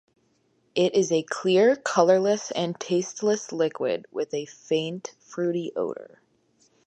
It is a clear, colorless, and tasteless liquid with a faint fruity odor.